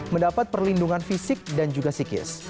mendapat perlindungan fisik dan juga psikis